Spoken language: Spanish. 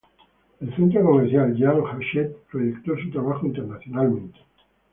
El centro comercial "Jeanne-Hachette" proyectó su trabajo internacionalmente.